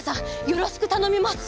よろしくたのみます！